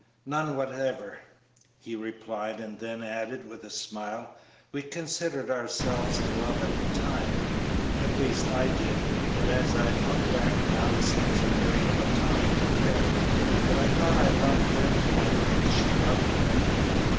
"None whatever," he replied, then added, with a smile: "We considered ourselves in love at the time, at least, I did; but as I look back now it seems a very Platonic affair; but I thought I loved her, and I think she loved me."